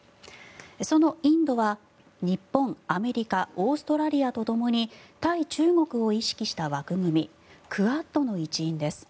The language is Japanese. そのインドは日本、アメリカオーストラリアとともに対中国を意識した枠組みクアッドの一員です。